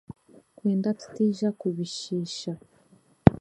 Kwenda tutaija kubishiisha